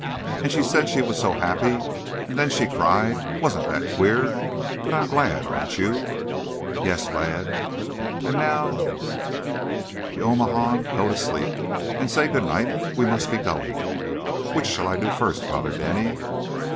And she said she was so happy, and then she cried. Wasn't that queer? But I'm glad; aren't you?" "Yes, lad. And now, ye omadhaun, go to sleep, and say good night; we must be going." "Which shall I do first, Father Denny?"